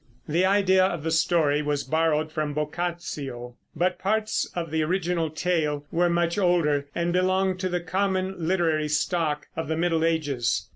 The idea of the story was borrowed from Boccaccio; but parts of the original tale were much older and belonged to the common literary stock of the Middle Ages.